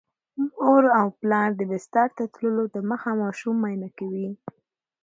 مور او پلار د بستر ته تللو دمخه ماشوم معاینه کوي.